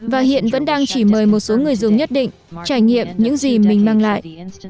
và hiện vẫn đang chỉ mời một số người dùng nhất định trải nghiệm những gì mình mang lại